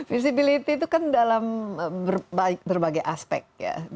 visibility itu kan dalam berbagai aspek ya